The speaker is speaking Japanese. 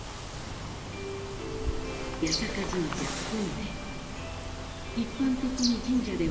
八坂神社本殿。